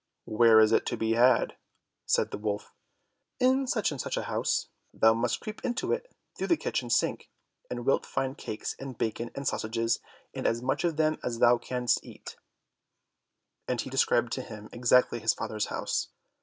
"Where is it to be had?" said the wolf. "In such and such a house; thou must creep into it through the kitchen sink, and wilt find cakes, and bacon, and sausages, and as much of them as thou canst eat," and he described to him exactly his father's house.